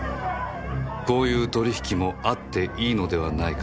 こういう取引もあっていいのではないかと